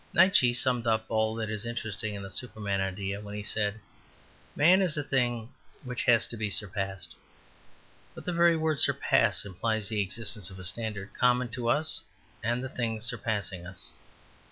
Nietszche summed up all that is interesting in the Superman idea when he said, "Man is a thing which has to be surpassed." But the very word "surpass" implies the existence of a standard common to us and the thing surpassing us.